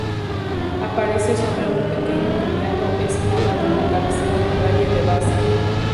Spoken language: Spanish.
Aparece sobre un pequeño collado, enclavado en la cabecera del valle de Basa.